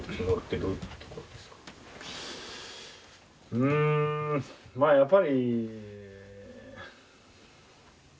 うんまあやっぱり。